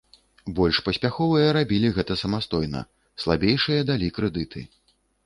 Больш паспяховыя рабілі гэта самастойна, слабейшыя далі крэдыты.